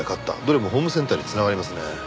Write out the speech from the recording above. どれもホームセンターに繋がりますね。